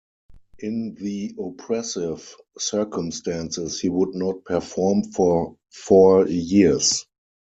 In the oppressive circumstances he would not perform for four years.